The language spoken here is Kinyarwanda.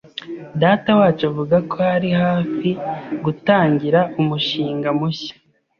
Datawacu avuga ko ari hafi gutangira umushinga mushya.